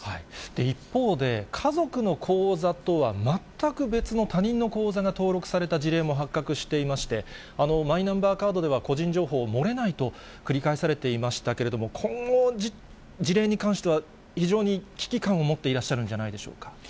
一方で、家族の口座とは全く別の他人の口座が登録された事例も発覚していまして、マイナンバーカードでは個人情報漏れないと繰り返されていましたけれども、この事例に関しては、非常に危機感を持っていらっしゃるんじゃないでしょうか。